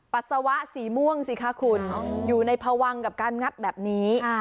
ปัสสาวะสีม่วงสิคะคุณอยู่ในพวังกับการงัดแบบนี้